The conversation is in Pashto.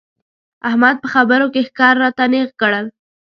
احمد په خبرو کې ښکر راته نېغ کړل.